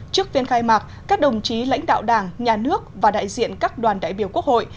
trước phiên khai mạc các đồng chí lãnh đạo đảng nhà nước và đại diện các đoàn đại biểu quốc hội